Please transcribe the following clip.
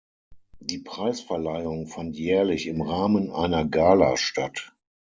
Die Preisverleihung fand jährlich im Rahmen einer Gala statt.